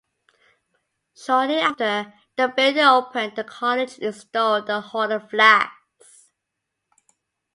Shortly after the building opened, the College installed the Hall of Flags.